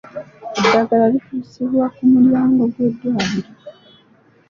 Eddagala lituusibwa ku mulyango gw'eddwaliro.